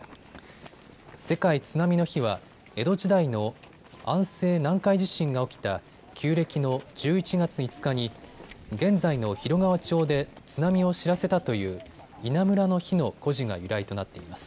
世界津波の日は江戸時代の安政南海地震が起きた旧暦の１１月５日に現在の広川町で津波を知らせたという稲むらの火の故事が由来となっています。